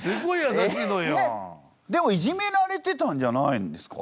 でもいじめられてたんじゃないんですか？